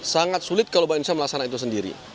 sangat sulit kalau bahasa indonesia melaksanakan itu sendiri